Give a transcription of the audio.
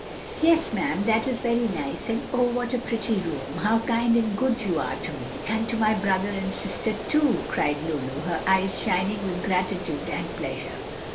"Yes, ma'am, that is very nice; and oh, what a pretty room! How kind and good you are to me! and to my brother and sister, too!" cried Lulu, her eyes shining with gratitude and pleasure.